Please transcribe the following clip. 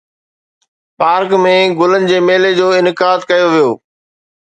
Park ۾ گلن جي ميلي جو انعقاد ڪيو ويو.